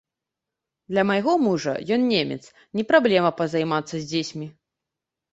Для майго мужа, ён немец, не праблема пазаймацца з дзецьмі.